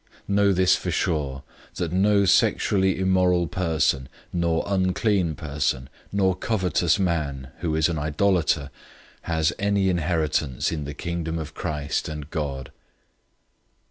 005:005 Know this for sure, that no sexually immoral person, nor unclean person, nor covetous man, who is an idolater, has any inheritance in the Kingdom of Christ and God.